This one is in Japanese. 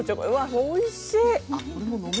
おいしい。